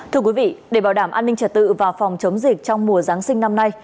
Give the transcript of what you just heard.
thưa quý vị để bảo đảm an ninh trật tự và phòng chống dịch trong mùa giáng sinh năm nay